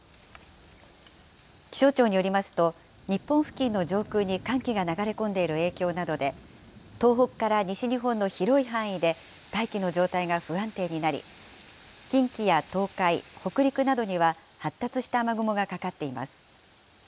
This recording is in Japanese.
気象庁によりますと、日本付近の上空に寒気が流れ込んでいる影響などで、東北から西日本の広い範囲で大気の状態が不安定になり、近畿や東海、北陸などには発達した雨雲がかかっています。